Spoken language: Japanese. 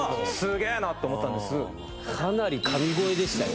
かなり神声でしたよ。